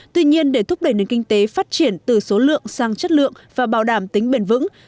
tuy nhiên để thúc đẩy nền kinh tế phát triển từ số lượng sang chất lượng và bảo đảm tính bền vững